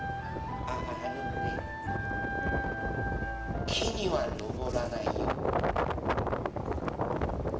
あのねきにはのぼらないよ。